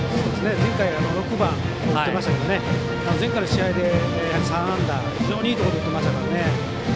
前回６番でしたけど前回の試合で３安打非常にいところで打っていましたからね。